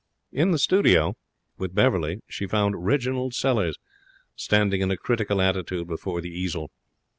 In the studio with Beverley she found Reginald Sellers, standing in a critical attitude before the easel.